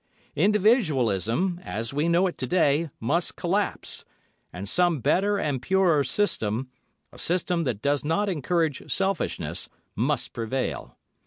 Individualism, as we know it to day, must collapse, and some better and purer system—a system that does not encourage selfishness—must prevail.